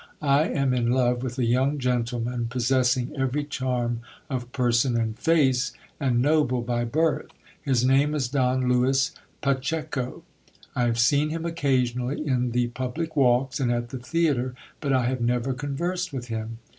I am in love with a young gentleman, possessing every charm of person and face, and noble by birth. His name is Don Lewis Pacheco. I have seen him occasionally in the public walks and at the theatre, GIL BIAS EXECUTES A COMMISSION FOR A CIA but I have never conversed with him.